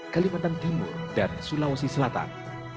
kalimantan timur dan sulawesi selatan